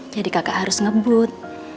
jadi kakak harus ngebut